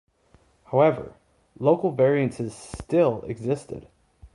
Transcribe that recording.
However, local variances still existed.